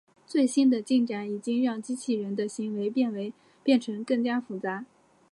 最近的进展已经让机器人的行为变成更加复杂。